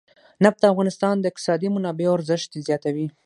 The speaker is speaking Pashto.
نفت د افغانستان د اقتصادي منابعو ارزښت زیاتوي.